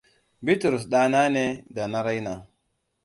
Bitrus ɗana ne da na raina.